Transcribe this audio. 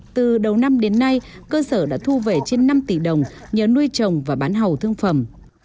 từ đầu năm đến nay cơ sở đã thu về trên năm tỷ đồng nhớ nuôi trồng và bán hầu thương phẩm